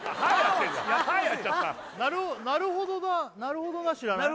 「なるほどなるほどなるほどな」